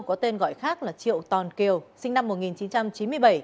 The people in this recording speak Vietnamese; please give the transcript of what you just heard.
có tên gọi khác là triệu tòn kiều sinh năm một nghìn chín trăm chín mươi bảy